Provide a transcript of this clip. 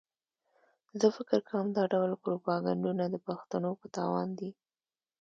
زه فکر کوم دا ډول پروپاګنډونه د پښتنو په تاوان دي.